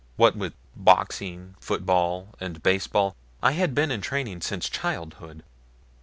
What with boxing, football, and baseball, I had been in training since childhood.